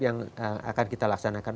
yang akan kita laksanakan